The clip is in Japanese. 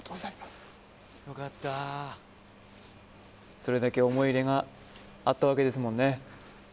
それだけ思い入れがあったわけですもんね